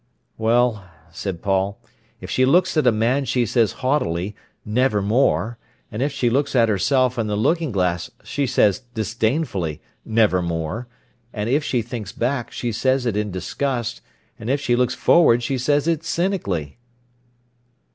"Well," said Paul, "if she looks at a man she says haughtily 'Nevermore,' and if she looks at herself in the looking glass she says disdainfully 'Nevermore,' and if she thinks back she says it in disgust, and if she looks forward she says it cynically."